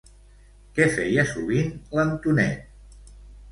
Què feia sovint l'Antonet?